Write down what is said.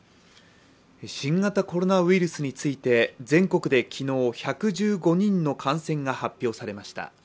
新型コロナウイルスについて全国で昨日１１５人の感染が発表されました。